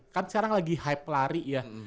kan sekarang lagi hype lari ya